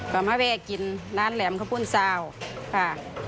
ก็มาแวะกินร้านแหลมข้าวปุ้นซาวค่ะ